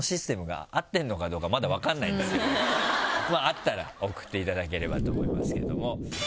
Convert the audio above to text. あったら送っていただければと思いますけれども。